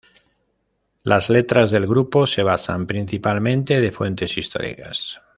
Las letras del grupo se basan, principalmente, de fuentes históricas.